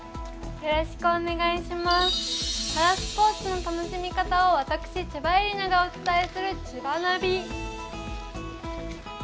パラスポーツの楽しみ方を私、千葉絵里菜がお伝えする「ちばナビ」。